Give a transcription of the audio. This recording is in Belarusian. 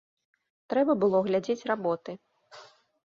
Трэба было глядзець работы.